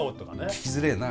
聴きづれえなあ。